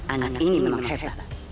anak ini memang hebat